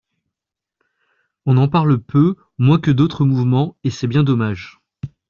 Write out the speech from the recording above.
On en parle peu, moins que d’autres mouvements, et c’est bien dommage.